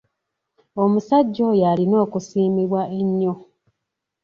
Omusajja oyo alina okusiimibwa ennyo.